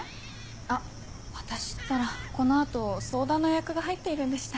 あっ私ったらこの後相談の予約が入っているんでした。